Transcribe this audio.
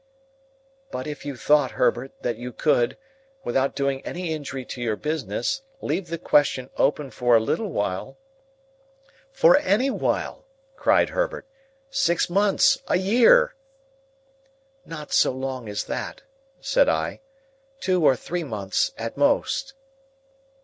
"But if you thought, Herbert, that you could, without doing any injury to your business, leave the question open for a little while—" "For any while," cried Herbert. "Six months, a year!" "Not so long as that," said I. "Two or three months at most."